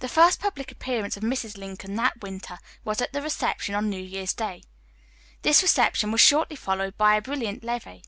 The first public appearance of Mrs. Lincoln that winter was at the reception on New Year's Day. This reception was shortly followed by a brilliant levee.